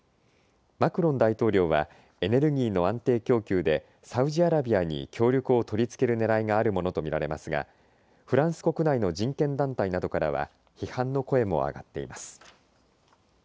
マクロン大統領はエネルギーの安定供給でサウジアラビアに協力を取り付けるねらいがあるものと見られますがフランス国内の人権団体などからは批判の声も上がっています。